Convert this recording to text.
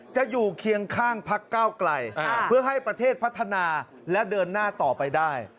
จะอยู่เคียงข้างพักเก้าไกลเพื่อให้ประเทศพัฒนาและเดินหน้าต่อไปได้